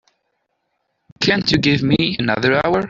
Can't you give me another hour?